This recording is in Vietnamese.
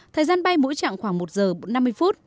thời gian bay mỗi chặng khoảng một giờ năm mươi phút